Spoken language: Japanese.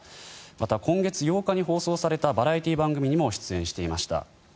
また、今月８日に放送されたバラエティー番組にも出演していました。